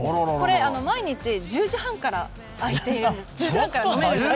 毎日１０時半から開いて飲めるらしいです。